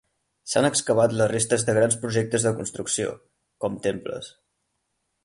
S'han excavat les restes de grans projectes de construcció, com temples.